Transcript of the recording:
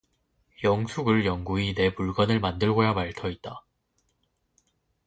영숙을 영구히 내 물건을 만들고야 말 터이다.